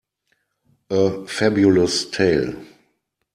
A Fabulous tale.